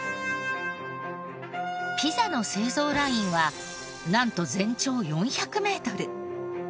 ピザの製造ラインはなんと全長４００メートル！